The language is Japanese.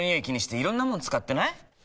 気にしていろんなもの使ってない？